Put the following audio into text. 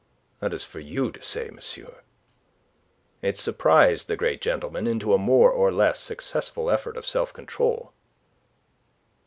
"That is for you to say, monsieur." It surprised the great gentleman into a more or less successful effort of self control.